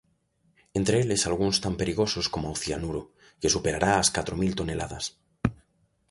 Entre eles algúns tan perigosos coma o cianuro, que superará as catro mil toneladas.